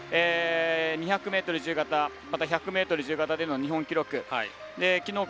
２００ｍ自由形また１００ｍ自由形での日本記録。